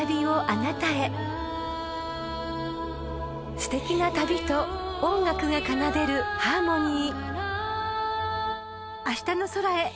［すてきな旅と音楽が奏でるハーモニー］